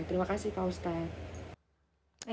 terima kasih pak ustadz